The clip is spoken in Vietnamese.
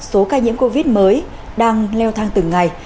số ca nhiễm covid mới đang leo thang từng ngày